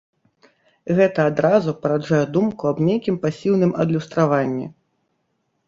Гэта адразу параджае думку аб нейкім пасіўным адлюстраванні.